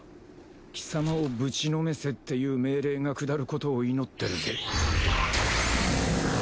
貴様をぶちのめせっていう命令が下ることを祈ってるぜ。